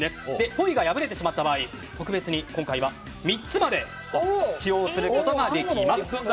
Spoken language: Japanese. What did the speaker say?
ポイが破れてしまった場合特別に今回は３つまで使用することができます。